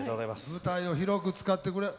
舞台を広く使ってくれ。